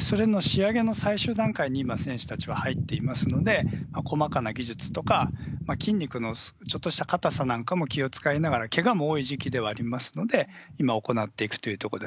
それの仕上げの最終段階に今、選手たちは入っていますので、細かな技術とか、筋肉のちょっとした硬さなんかも気を遣いながら、けがも多い時期ではありますので、今行っていくというとこです。